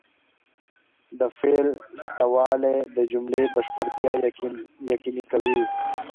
د فاعل سته والى د جملې بشپړتیا یقیني کوي.